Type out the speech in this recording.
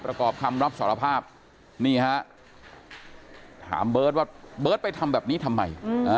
ประกอบคำรับสารภาพนี่ฮะถามเบิร์ตว่าเบิร์ตไปทำแบบนี้ทำไม